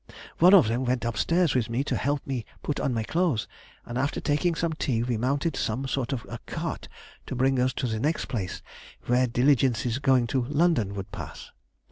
One of them went upstairs with me to help me to put on my clothes, and after taking some tea we mounted some sort of a cart to bring us to the next place where diligences going to London would pass.